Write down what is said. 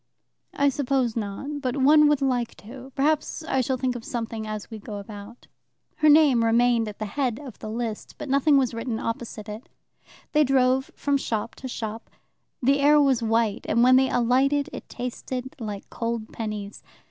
" I suppose not, but one would like to. Perhaps I shall think of something as we go about." Her name remained at the head of the list, but nothing was written opposite it. They drove from shop to shop. The air was white, and when they alighted it tasted like cold pennies.